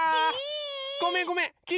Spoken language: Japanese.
ごめんごめんきい